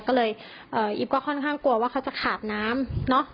ก็เลยอีฟก็ค่อนข้างกลัวว่าเขาจะขาดน้ำเนอะ